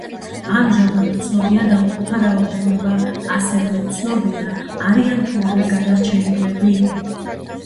ამჟამად უცნობია დაღუპულთა რაოდენობა, ასევე უცნობია არიან თუ არა გადარჩენილები.